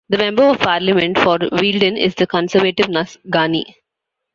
The Member of Parliament for Wealden is the Conservative Nus Ghani.